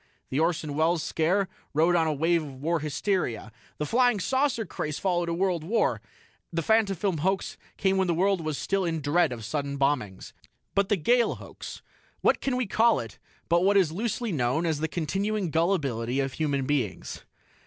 The Orson Welles scare rode on a wave of war hysteria; the Flying Saucer craze followed world war; the Fantafilm hoax came when the world was still in dread of sudden bombings. But the Gale Hoax what can we call it but what is loosely known as the continuing gullibility of human beings?